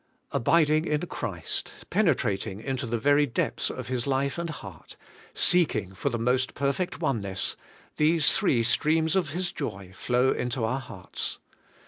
Abiding in Christ, penetrating into the very depths of His life and heart, seeking for the most perfect oneness, these the three streams of His joy flow into our hearts.